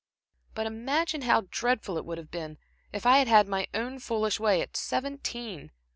But imagine how dreadful it would have been, if I had had my own foolish way at seventeen.